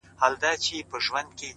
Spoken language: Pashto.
هره تجربه د راتلونکي لارښود ګرځي,